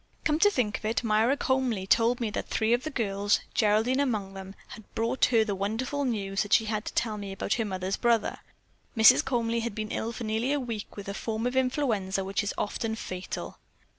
"Come to think of it, Myra Comely told me that three of the girls, Geraldine among them, had brought her the wonderful news that she had to tell me about her mother's brother. Mrs. Comely had been ill for nearly a week with a form of influenza which is often fatal."